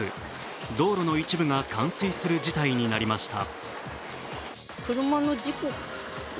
道路の一部が冠水する事態になりました。